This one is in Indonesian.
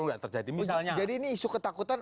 enggak terjadi jadi ini isu ketakutan